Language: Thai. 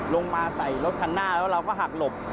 ลงมาใส่รถคันหน้าแล้วเราก็หักหลบ